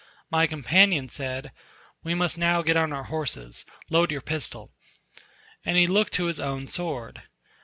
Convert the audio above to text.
My companion said, "We must now get on our horses: load your pistol;" and he looked to his own sword.